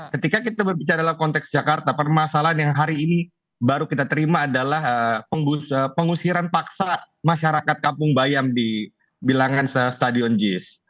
ketika kita berbicara dalam konteks jakarta permasalahan yang hari ini baru kita terima adalah pengusiran paksa masyarakat kampung bayam di bilangan stadion jis